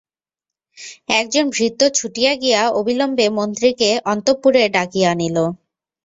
একজন ভৃত্য ছুটিয়া গিয়া অবিলম্বে মন্ত্রীকে অন্তঃপুরে ডাকিয়া আনিল।